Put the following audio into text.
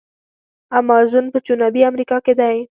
امازون په جنوبي امریکا کې دی.